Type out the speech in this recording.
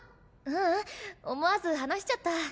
ううん思わず話しちゃった。